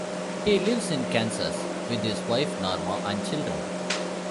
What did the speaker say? He lives in Kansas with his wife Norma and children.